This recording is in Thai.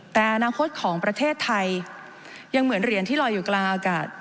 แต่อนาคตของประเทศไทยยังเหมือนเหรียญที่ลอยอยู่กลางอากาศ